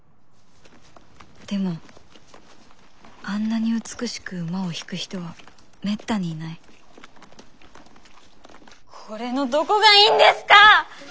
でもあんなに美しく馬を引く人はめったにいないこれのどこがいいんですか！